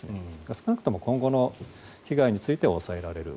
少なくとも今後の被害については抑えられる。